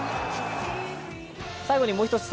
最後にもう１つ